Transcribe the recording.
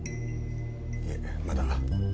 いえまだ。